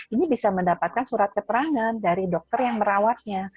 ini bisa mendapatkan surat keterangan dari dokter yang merawatnya